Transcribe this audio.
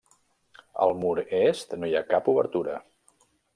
Al mur est no hi ha cap obertura.